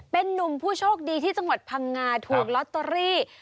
เป็นนุ่มผู้โชคดีที่จังหวัดพังงาถูกลอตเตอรี่